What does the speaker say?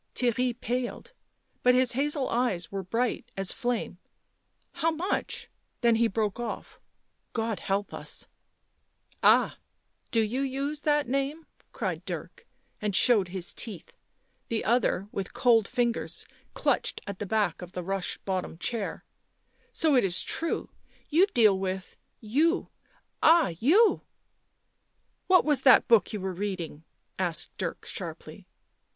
Theirry paled, but his hazel eyes were bright as flame. " How much?" then he broke off —" God help us " "Ah! — do you use that name?" cried Dirk, and showed his teeth. The other, with cold fingers, clutched at the back of the rush bottomed chair. " So it is true — you deal with — you — ah, you "" What was that book ^you were reading?" asked Dirk sharply.